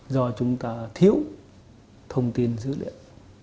do chúng ta thiếu thông tin dữ liệu